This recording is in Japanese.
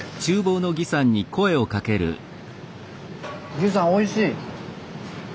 儀さんおいしい。